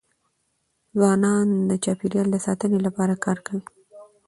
ځوانان د چاپېریال د ساتني لپاره کار کوي.